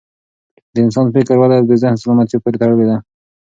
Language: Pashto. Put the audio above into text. د انسان فکري وده د ذهن سالمتیا پورې تړلې ده.